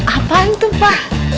apaan tuh pak